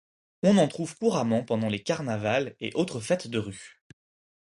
On en trouve couramment pendant les carnavals et autres fêtes de rue.